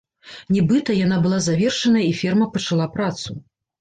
Нібыта, яна была завершаная і ферма пачала працу.